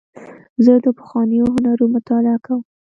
زه د پخوانیو هنرونو مطالعه کوم.